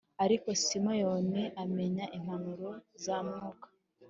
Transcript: ariko Simeyoni amenya impanuro za Mwuka